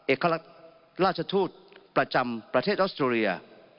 เอกลักษณ์ราชทูตประจำประเทศออสเตรเลีย